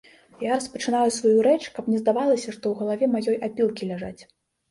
Я распачынаю сваю рэч, каб не здавалася, што ў галаве маёй апілкі ляжаць.